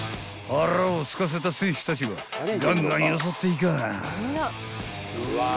［腹をすかせた選手たちがガンガンよそっていかぁな］